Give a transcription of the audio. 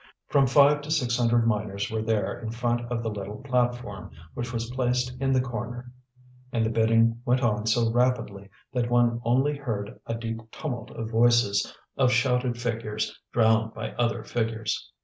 From five to six hundred miners were there in front of the little platform, which was placed in the corner, and the bidding went on so rapidly that one only heard a deep tumult of voices, of shouted figures drowned by other figures.